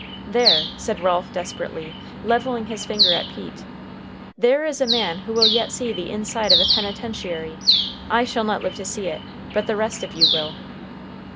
"There," said Ralph desperately, leveling his finger at Pete, "there is a man who will yet see the inside of a penitentiary, I shall not live to see it, but the rest of you will."